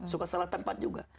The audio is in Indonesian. suka salah tempat juga